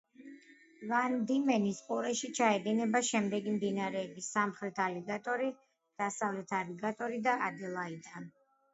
ვან-დიმენის ყურეში ჩაედინება შემდეგი მდინარეები: სამხრეთ ალიგატორი, აღმოსავლეთ ალიგატორი და ადელაიდა.